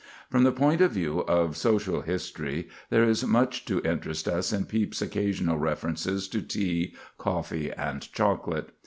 From the point of view of social history, there is much to interest us in Pepys's occasional references to tea, coffee, and chocolate.